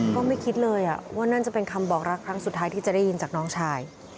ก็ไม่คิดเลยว่านั่นจะเป็นคำบอกรักครั้งสุดท้ายที่จะได้ยินจากน้องชาย